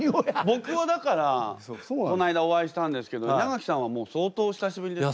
僕はだからこないだお会いしたんですけど稲垣さんはもう相当お久しぶりで？